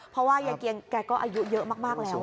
เพราะว่ายายเกียงแกก็อายุเยอะมากแล้ว